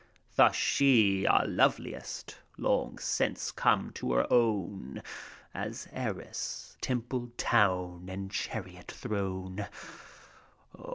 Thus she, our loveliest, long since came to own, As heiress, templed town and chariot throne.